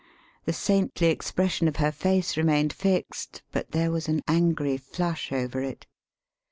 The saintly expression of her face remained fixed, but there was an angry flush over it.